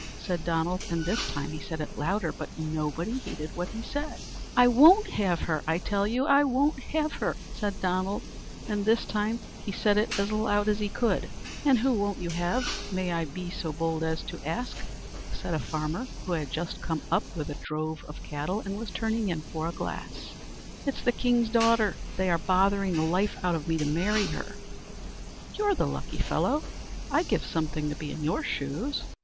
said Donald; and this time he said it louder; but nobody heeded what he said. "I won't have her, I tell you; I won't have her!" said Donald; and this time he said it as loud as he could. "And who won't you have, may I be so bold as to ask?" said a farmer, who had just come up with a drove of cattle, and was turning in for a glass. "It's the king's daughter. They are bothering the life out of me to marry her." "You're the lucky fellow. I'd give something to be in your shoes."